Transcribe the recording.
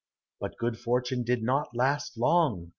But good fortune did not last long.